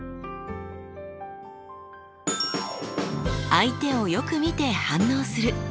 相手をよく見て反応する。